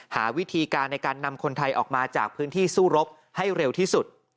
หาวิธีการในการนำคนไทยออกมาจากพื้นที่สู้รบให้เร็วที่สุด